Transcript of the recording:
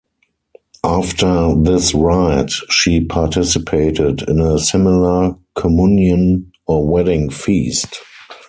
After this rite, she participated in a similar communion or wedding feast.